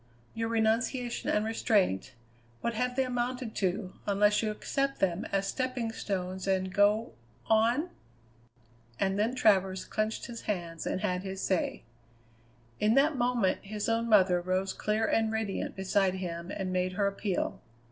Your renunciation and restraint, what have they amounted to, unless you accept them as stepping stones and go on?" And then Travers clenched his hands and had his say. In that moment his own mother rose clear and radiant beside him and made her appeal.